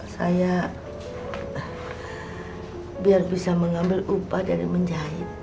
saya biar bisa mengambil upah dari menjahit